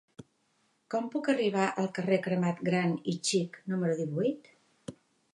Com puc arribar al carrer Cremat Gran i Xic número divuit?